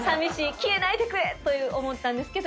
消えないでくれ！と思ったんですけど。